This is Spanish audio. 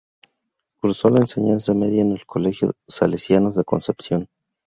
Cursó la enseñanza media en el Colegio Salesianos de Concepción.